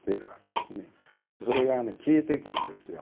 それがね消えていくんですよ